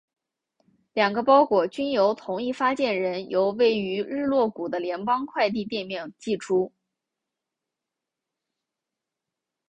两个包裹均由同一发件人从位于日落谷的联邦快递店面寄出。